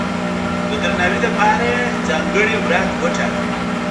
د درناوي لپاره یې ځانګړې ورځ وټاکله.